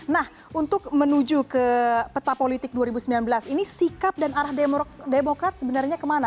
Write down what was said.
nah untuk menuju ke peta politik dua ribu sembilan belas ini sikap dan arah demokrat sebenarnya kemana